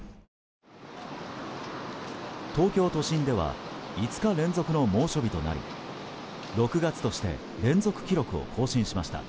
東京都心では５日連続の猛暑日となり６月として連続記録を更新しました。